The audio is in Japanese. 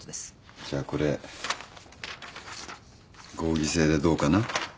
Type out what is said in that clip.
じゃあこれ合議制でどうかな？